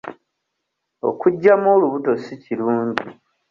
Okuggyamu olubuto si kirungi.